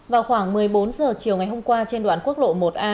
vào khoảng một mươi bốn h chiều ngày hôm qua trên đoạn quốc lộ một a